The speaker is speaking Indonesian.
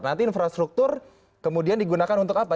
nanti infrastruktur kemudian digunakan untuk apa